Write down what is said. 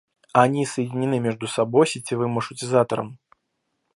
Они соединены между собой сетевым маршрутизатором